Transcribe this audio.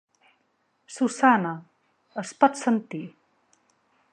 Susana" es pot sentir.